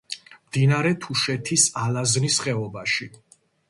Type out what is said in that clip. მდინარე თუშეთის ალაზნის ხეობაში.